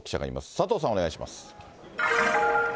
佐藤さん、お願いします。